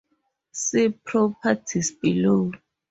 See Properties below.